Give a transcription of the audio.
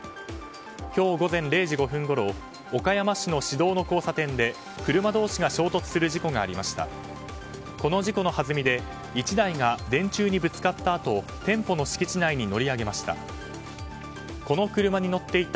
今日午前０時５分ごろ岡山市の市道の交差点で車同士が衝突する事故がありました。